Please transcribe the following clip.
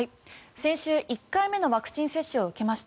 先週１回目のワクチン接種を受けました。